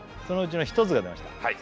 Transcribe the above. そのうちの１つが出ました